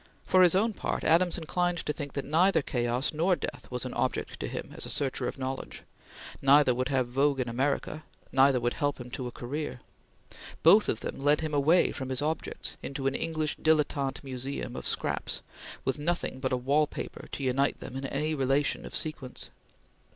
For his own part, Adams inclined to think that neither chaos nor death was an object to him as a searcher of knowledge neither would have vogue in America neither would help him to a career. Both of them led him away from his objects, into an English dilettante museum of scraps, with nothing but a wall paper to unite them in any relation of sequence.